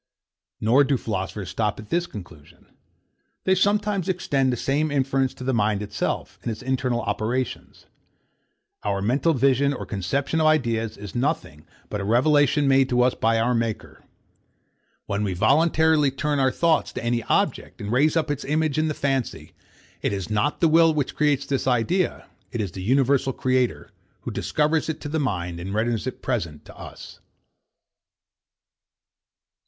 Nor do philosophers stop at this conclusion. They sometimes extend the same inference to the mind itself, in its internal operations. Our mental vision or conception of ideas is nothing but a revelation made to us by our Maker. When we voluntarily turn our thoughts to any object, and raise up its image in the fancy, it is not the will which creates that idea: It is the universal Creator, who discovers it to the mind, and renders it present to us.